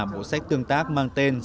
một sách tương tác mang tên là sách đinh tị